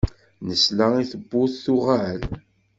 Nesla i tewwurt tuɣal.